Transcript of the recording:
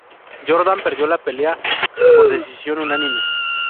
Jordan perdió la pelea por decisión unánime.